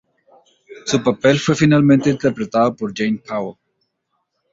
Su papel fue finalmente interpretado por Jane Powell.